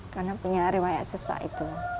karena punya riwayat sesak itu